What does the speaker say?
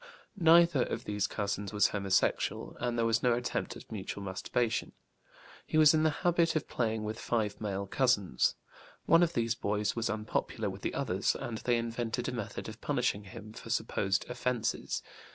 Neither of these cousins was homosexual, and there was no attempt at mutual masturbation. He was in the habit of playing with five male cousins. One of these boys was unpopular with the others, and they invented a method of punishing him for supposed offenses.